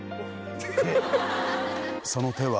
その手は。